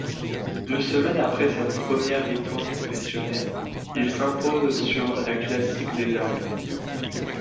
Deux semaines après cette première victoire professionnelle, il s'impose sur la Classique des Alpes.